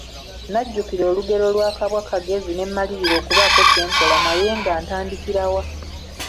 Najjukira olugero lwa kabwa kagezi ne mmalirira okubaako kye nkola naye nga ntandikira wa?